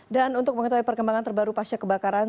dan untuk mengetahui perkembangan terbaru pasca kebakaran